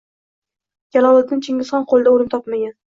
Jaloliddin Chingizxon qo‘lida o‘lim topmagan.